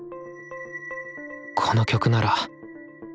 この曲なら譜面